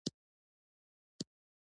زه له څمکنیو عالی لیسې فارغ یم.